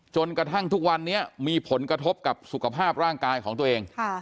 จนกระทั่งทุกวันนี้มีผลกระทบกับสุขภาพร่างกายของตัวเอง